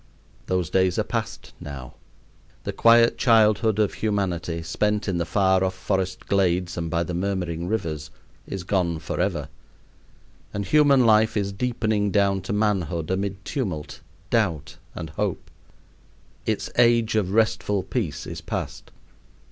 Those days are past now. The quiet childhood of Humanity, spent in the far off forest glades and by the murmuring rivers, is gone forever; and human life is deepening down to manhood amid tumult, doubt, and hope. Its age of restful peace is past.